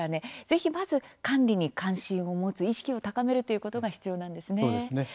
ぜひ、まず管理に関心を持つ意識を高めるということが必要なんですね。